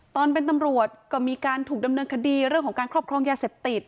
ตอนเป็นตำรวจก็มีการถูกดำเนินคดีเรื่องของการครอบครองยาเสพติด